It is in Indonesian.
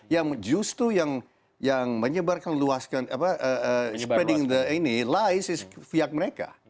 yang justru yang menyebarkan luaskan spreading ini lies pihak mereka